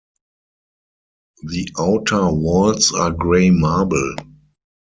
The outer walls are grey marble.